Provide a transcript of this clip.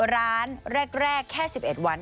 ร้านแรกแค่๑๑วัน